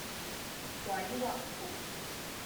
鬼畫符